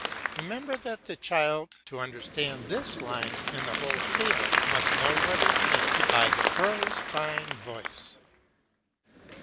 Remember that the child, to understand this line and the whole fable, must know what is meant by the crow's fine voice.